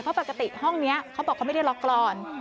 เพราะปกติห้องนี้เขาบอกเขาไม่ได้ล็อกกรอน